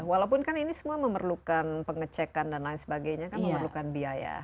walaupun kan ini semua memerlukan pengecekan dan lain sebagainya kan memerlukan biaya